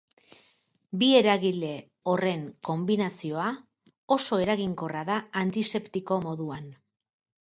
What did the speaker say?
Bi eragile horren konbinazioa oso eraginkorra da antiseptiko moduan.